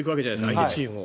相手チームを。